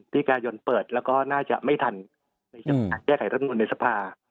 ที่กายนเปิดแล้วก็น่าจะไม่ทันในการแก้ไขรัฐมนุนในสภา